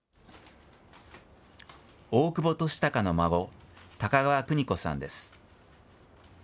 大久保利隆の孫、高川邦子さんです。